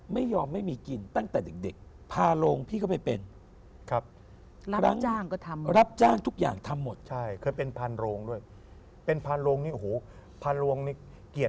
ไม่ยอมไม่มีกินตั้งแต่เด็ก